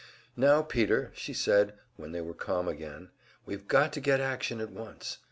"Now, Peter," she said, when they were calm again, we've got to get action at once.